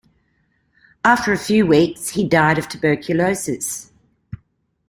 After a few weeks, he died of tuberculosis.